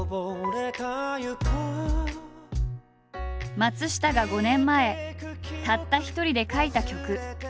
松下が５年前たった一人で書いた曲。